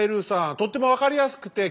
とっても分かりやすくて貴重な。